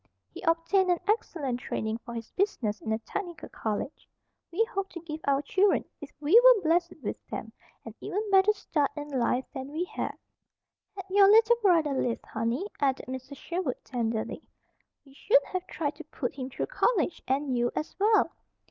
He obtained an excellent training for his business in a technical college. We hoped to give our children, if we were blessed with them, an even better start in life than we had. "Had your little brother lived, honey," added Mrs. Sherwood tenderly, "we should have tried to put him through college, and you, as well.